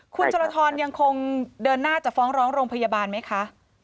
คุณจรทรยังคงเดินหน้าจะฟ้องร้องโรงพยาบาลไหมคะ